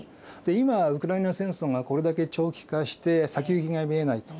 今ウクライナ戦争がこれだけ長期化して先行きが見えないと。